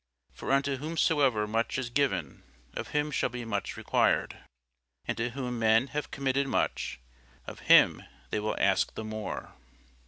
For unto whomsoever much is given, of him shall be much required: and to whom men have committed much, of him they will ask the more.